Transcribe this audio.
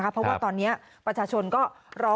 เพราะว่าตอนนี้ประชาชนก็รอ